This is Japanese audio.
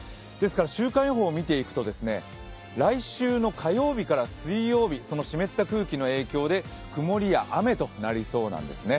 週間予報を見ていくと来週の火曜日から水曜日その湿った空気の影響で曇りや雨となりそうなんですね。